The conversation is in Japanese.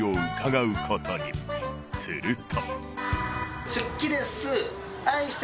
すると。